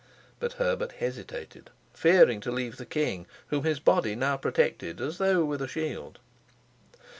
But Herbert hesitated, fearing to leave the king, whom his body now protected as though with a shield.